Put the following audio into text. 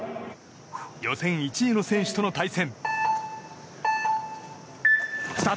予選１位の選手との対戦。